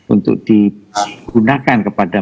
untuk digunakan kepada